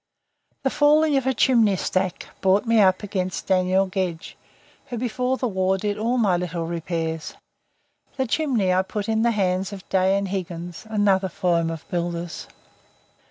The falling of a chimney stack brought me up against Daniel Gedge, who before the war did all my little repairs. The chimney I put into the hands of Day & Higgins, another firm of builders.